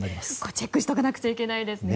チェックしておかなくちゃいけないですね。